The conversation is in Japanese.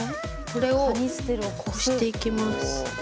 これをこしていきます。